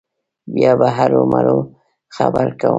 بیا به هرو مرو خبر کړم.